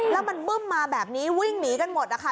แล้วมันบึ้มมาแบบนี้วิ่งหนีกันหมดนะคะ